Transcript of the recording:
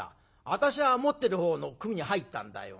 私はもってる方の組に入ったんだよ。